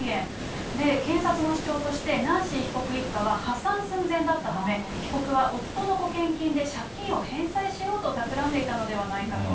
検察の主張として、ナンシー被告一家は破産寸前だったため、被告は夫の保険金で借金を返済しようと企んでいたのではないかと。